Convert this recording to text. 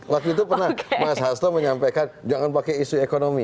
waktu itu pernah mas hasto menyampaikan jangan pakai isu ekonomi